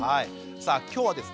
さあ今日はですね